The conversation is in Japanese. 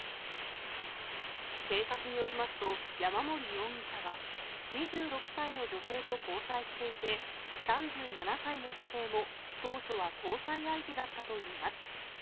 警察によりますと、山森容疑者は２６歳の女性と交際していて、３７歳の女性も当初は交際相手だったといいます。